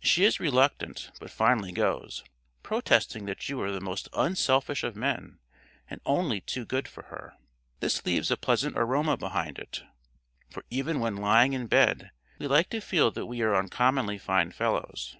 She is reluctant, but finally goes, protesting that you are the most unselfish of men, and only too good for her. This leaves a pleasant aroma behind it, for even when lying in bed, we like to feel that we are uncommonly fine fellows.